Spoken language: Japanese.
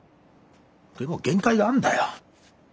でも限界があんだよ。